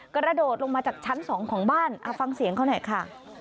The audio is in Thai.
กระโดดลงมาจากชั้น๒ของบ้านฟังเสียงเขาหน่อยค่ะ